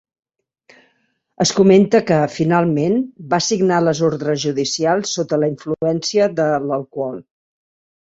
Es comenta que, finalment, va signar les ordres judicials sota la influència de l'alcohol.